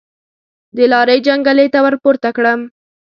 د لارۍ جنګلې ته ورپورته کړم.